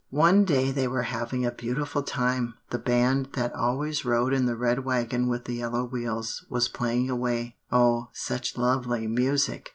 "One day they were having a beautiful time; the band that always rode in the red wagon with the yellow wheels, was playing away, oh, such lovely music!"